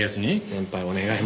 先輩お願い